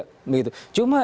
cuma yang tidak ada